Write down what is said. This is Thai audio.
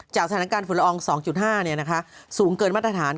จากศาลาการฝุ่นละออง๒๕สูงเกินมาตรฐาน